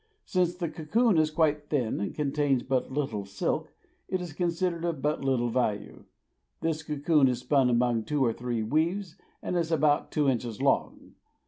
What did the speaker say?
Since the cocoon is quite thin and contains but little silk, it is considered of but little value. This cocoon is spun among two or three weaves, and is about two inches long.